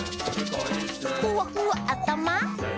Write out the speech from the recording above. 「ふわふわあたま」